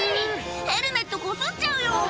ヘルメットこすっちゃうよ。